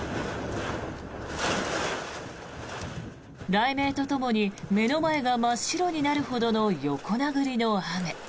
雷鳴とともに目の前が真っ白になるほどの横殴りの雨。